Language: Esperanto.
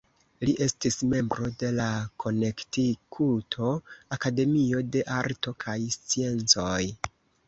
Li estis membro de la Konektikuto Akademio de Arto kaj Sciencoj.